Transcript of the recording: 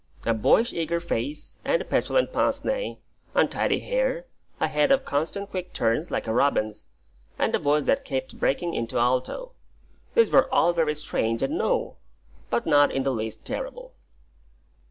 A boyish eager face and a petulant pince nez, untidy hair, a head of constant quick turns like a robin's, and a voice that kept breaking into alto, these were all very strange and new, but not in the least terrible.